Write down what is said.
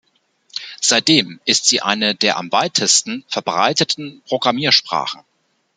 Seitdem ist sie eine der am weitesten verbreiteten Programmiersprachen.